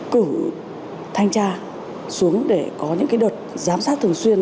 cử thanh tra xuống để có những đợt giám sát thường xuyên